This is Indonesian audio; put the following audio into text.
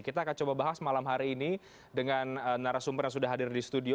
kita akan coba bahas malam hari ini dengan narasumber yang sudah hadir di studio